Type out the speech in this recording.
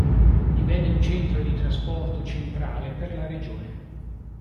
Divenne un centro di trasporto centrale per la regione.